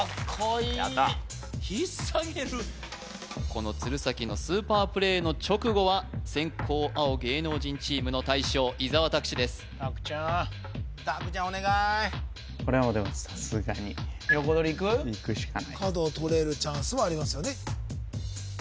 この鶴崎のスーパープレイの直後は先攻青芸能人チームの大将伊沢拓司です拓ちゃん拓ちゃんお願いこれはでもさすがに角をとれるチャンスはありますよね・